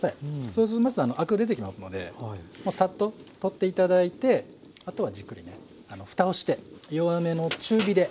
そうしますとアク出てきますのでサッと取って頂いてあとはじっくりねふたをして弱めの中火で。